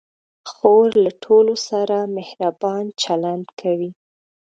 خور له ټولو سره مهربان چلند کوي.